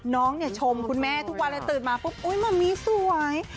น้องเนี่ยชมคุณแม่ทุกวันเลยตื่นมาปุ๊บอุ๊ยมะมี่สวย